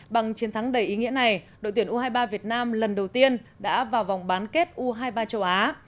bằng chiến thắng đầy ý nghĩa này đội tuyển u hai mươi ba việt nam lần đầu tiên đã vào vòng bán kết u hai mươi ba châu á